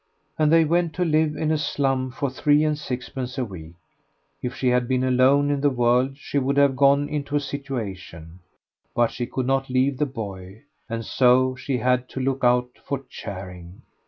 And they went to live in a slum for three and sixpence a week. If she had been alone in the world she would have gone into a situation, but she could not leave the boy, and so she had to look out for charing.